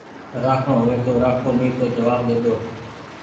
رآکڻو هووي تو رآکو نيتو جوآب ۮيدو